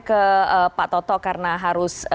ke pak toto karena harus